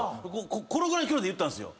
これぐらいの距離で言ったんすよ。